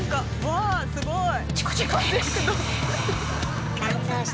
わあすごい！